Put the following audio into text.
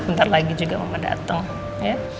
ntar lagi juga mama dateng ya